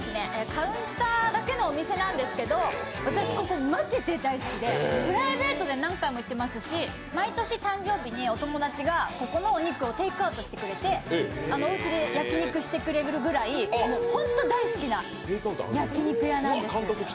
カウンターだけのお店なんですけど、私ここマジで大好きでプライベートで何回も行ってますし毎年誕生日に、お友達がここのお肉をテイクアウトしてくれて、おうちで焼き肉してくれるぐらい、本当に大好きな焼き肉屋なんです。